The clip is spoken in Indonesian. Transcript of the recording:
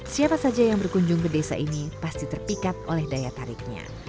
siapa saja yang berkunjung ke desa ini pasti terpikat oleh daya tariknya